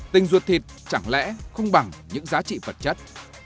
tình ruột thịt chẳng lẽ không bằng những giá trị vật chất